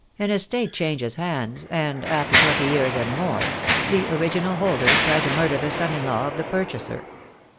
An estate changes hands, and — after twenty years and more — 'the original holders try to murder the son in law of the purchaser!